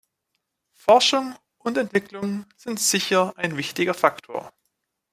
Forschung und Entwicklung sind sicher ein wichtiger Faktor.